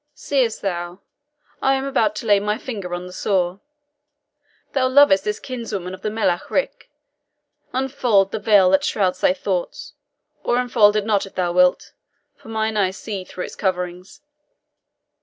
Seest thou, I am about to lay my finger on the sore. Thou lovest this kinswoman of the Melech Ric. Unfold the veil that shrouds thy thoughts or unfold it not if thou wilt, for mine eyes see through its coverings."